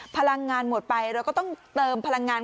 พลังงานหมดไปเราก็ต้องเติมพลังงาน